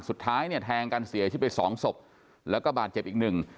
สุดท้ายเนี่ยแทงกันเสียชีวิตไปสองศพแล้วก็บาดเจ็บอีกหนึ่ง